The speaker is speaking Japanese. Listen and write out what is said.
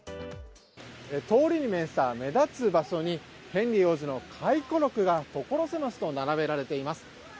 通りに面した目立つ場所にヘンリー王子の回顧録がところ狭しと並べられています。